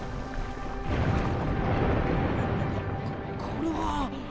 ここれは。